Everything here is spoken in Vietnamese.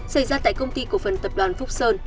xảy ra tại công ty cổ phần tập đoàn phúc sơn